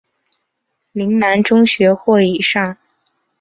岭南中学或以上。